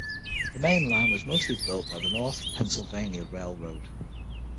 The Main Line was mostly built by the North Pennsylvania Railroad.